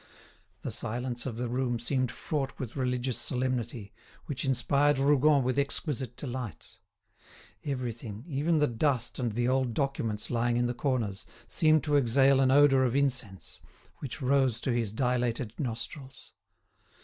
The silence of the room seemed fraught with religious solemnity, which inspired Rougon with exquisite delight. Everything, even the dust and the old documents lying in the corners, seemed to exhale an odour of incense, which rose to his dilated nostrils.